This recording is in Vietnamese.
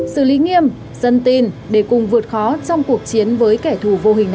xử lý nghiêm dân tin để cùng vượt khó trong cuộc chiến với kẻ thù vô hiểm